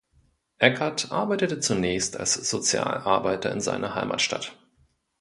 Eckert arbeitete zunächst als Sozialarbeiter in seiner Heimatstadt.